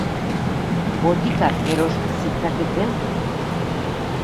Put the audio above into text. Botikak eros zitzaketen.